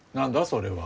それは。